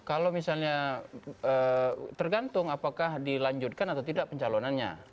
kalau misalnya tergantung apakah dilanjutkan atau tidak pencalonannya